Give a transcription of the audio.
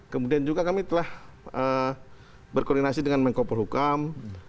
kemudian juga kami telah berkoordinasi dengan menko polhukam